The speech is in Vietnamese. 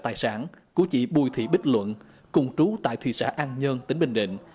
tài sản của chị bùi thị bích luận cùng trú tại thị xã an nhơn tỉnh bình định